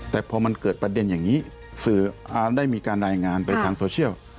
แต่พอมันเกิดประเด็นอย่างนี้สื่อได้มีการรายงานไปทางโซเชียล